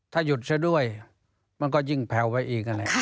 ถ้าหยุดซะด้วยมันก็ยิ่งแผ่วไว้อีกนั่นแหละ